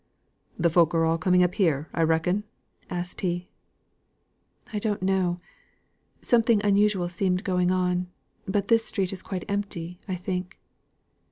"Th' folk are all coming up here, I reckon?" asked he. "I don't know. Something unusual seemed going on; but this street is quite empty, I think."